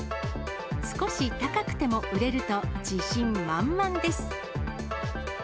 少し高くても売れると、自信満々です。